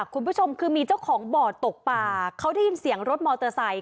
คุณผู้ชมคือมีเจ้าของบ่อตกป่าเขาได้ยินเสียงรถมอเตอร์ไซค